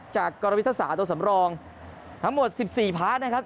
กรวิทยาศาสตร์ตัวสำรองทั้งหมด๑๔พาร์ทนะครับ